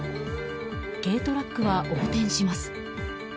軽トラックは横転します。